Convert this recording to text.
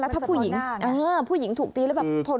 แล้วถ้าผู้หญิงถูกตีแล้วแบบทนไม่ได้